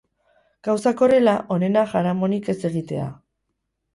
Gauzak horrela, onena jaramonik ez egitea.